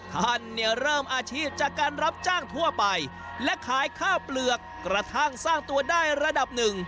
ท่านเนี่ยเริ่มอาชีพจากการรับจ้างทั่วไปและขายข้าวเปลือกกระทั่งสร้างตัวได้ระดับหนึ่ง